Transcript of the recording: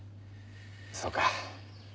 そうか。